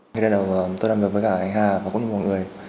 ngày đầu tôi làm việc với cả anh hà và cũng như mọi người